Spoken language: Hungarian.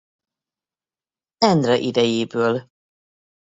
Endre idejéből.